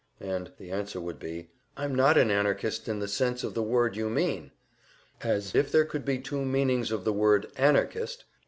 And the answer would be: "I'm not an Anarchist in the sense of the word you mean" as if there could be two meanings of the word "Anarchist!"